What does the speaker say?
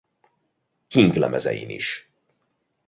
King lemezein is.